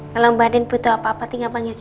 kalau mbak andin butuh apa apa tinggal panggil kiki ya